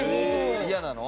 嫌なの？